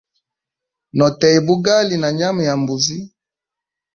No teya bugali na nyama ya mbuzi.